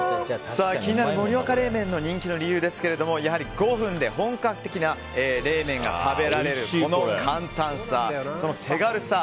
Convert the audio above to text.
気になる盛岡冷麺の人気の理由ですが５分で本格的な冷麺が食べられるこの簡単さ、その手軽さ。